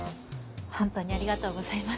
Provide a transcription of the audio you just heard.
ホントにありがとうございます。